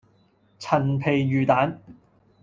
陳皮魚蛋